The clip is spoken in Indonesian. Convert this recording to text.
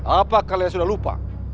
apa kalian sudah lupa